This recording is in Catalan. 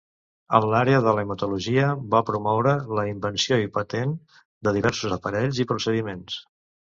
En l'àrea de l'hematologia va promoure la invenció i patent de diversos aparells i procediments.